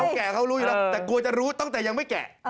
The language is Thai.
แก่เขารู้อยู่แล้วแต่กลัวจะรู้ตั้งแต่ยังไม่แกะ